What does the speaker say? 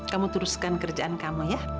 kamu teruskan kerjaan kamu ya